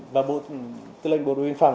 và bộ tư lệnh bộ đội viên phòng